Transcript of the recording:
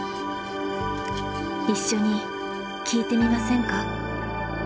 一緒に聞いてみませんか。